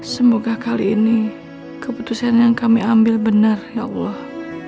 semoga kali ini keputusan yang kami ambil benar ya allah